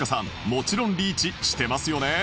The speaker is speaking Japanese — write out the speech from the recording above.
もちろんリーチしてますよね？